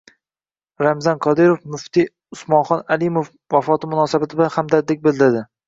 Ramzan Qodirov muftiy Usmonxon Alimov vafoti munosabati bilan hamdardlik bildirdi